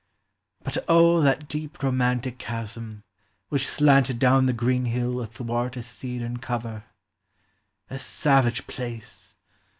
But O that deep romantic chasm, which slanted Down the green hill athwart a cedarn cover ! A savage place